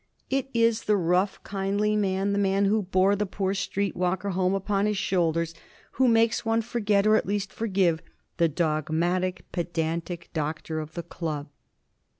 It is the rough, kindly man, the man who bore the poor street walker home upon his shoulders, who makes one forget, or at least forgive, the dogmatic pedantic Doctor of the Club.